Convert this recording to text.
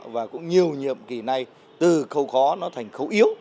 và cũng nhiều nhiệm kỳ này từ khâu khó nó thành khâu yếu